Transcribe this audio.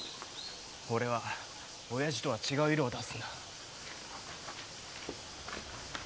俺は親父とは違う色を出すんだ。